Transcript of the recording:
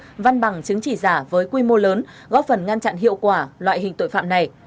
và văn bằng chứng chỉ giả với quy mô lớn góp phần ngăn chặn hiệu quả loại hình tội phạm này